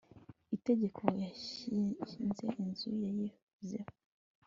itegeko yashinze inzu ya yozefu